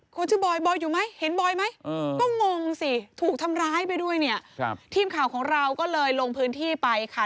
คนชื่อบอยบอยอยู่ไหมเห็นบอยไหมก็งงสิถูกทำร้ายไปด้วยเนี่ยครับทีมข่าวของเราก็เลยลงพื้นที่ไปค่ะ